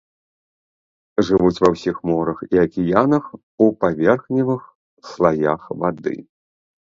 Жывуць ва ўсіх морах і акіянах у паверхневых слаях вады.